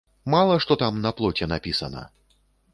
Мала што там на плоце напісана.